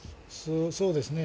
そうですね。